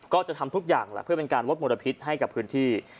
ก็จะทำทุกอย่างแหละเพื่อเป็นการลดมลพิษให้กับพื้นที่